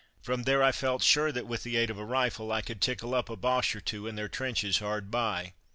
From there I felt sure that, with the aid of a rifle, I could tickle up a Boche or two in their trenches hard by.